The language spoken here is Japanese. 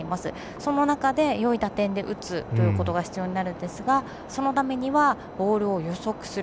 その中で、よい打点で打つということが必要になるんですがそのためにはボールを予測する。